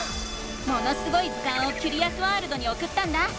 「ものすごい図鑑」をキュリアスワールドにおくったんだ。